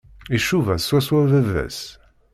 Icuba swaswa baba-s.